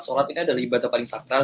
sholat ini adalah ibadah paling sakral